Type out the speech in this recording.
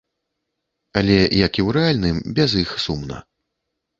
Але, як і ў рэальным, без іх сумна.